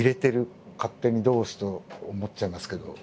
勝手に同志と思っちゃいますけど。